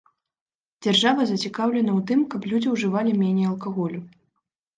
Дзяржава зацікаўлена у тым, каб людзі ужывалі меней алкаголю.